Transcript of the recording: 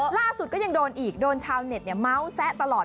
ล่าสุดก็ยังโดนอีกโดนชาวเน็ตเมาส์แซะตลอด